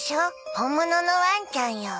本物のワンちゃんよ。